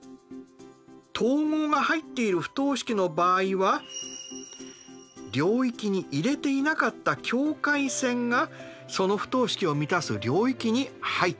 等号が入っている不等式の場合は領域に入れていなかった境界線がその不等式を満たす領域に入ってきました。